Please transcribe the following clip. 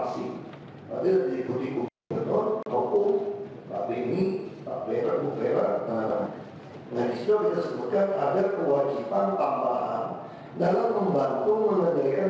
selisih dapat diperlukan dengan kewajiban proyek lain